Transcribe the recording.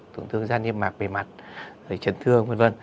tổn thương da niêm mạc bề mặt chấn thương v v